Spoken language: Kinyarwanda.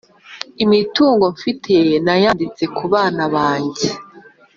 Imitungo mfite nayanditse kubana bange